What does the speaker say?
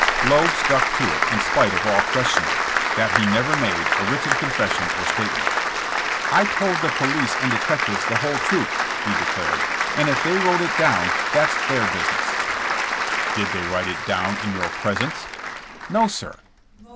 Lowe stuck to it in spite of all questioning, that he never made a written confession or statement. I told the police and detectives the whole truth," he declared, "and if they wrote it down that's their business." Thk trial for train robbkry. 145 Did they write it down in your presence?" ''No, sir."